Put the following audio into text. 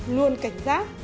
luôn cảnh giác